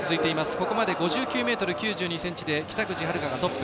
ここまで５９ｍ９２ｃｍで北口榛花がトップ。